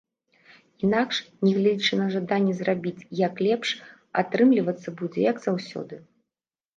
Інакш, нягледзячы на жаданне зрабіць як лепш, атрымлівацца будзе як заўсёды.